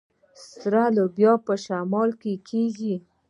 سره لوبیا په شمال کې کیږي.